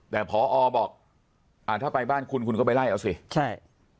แต่พอบอกอ่าถ้าไปบ้านคุณคุณก็ไปไล่เอาสิใช่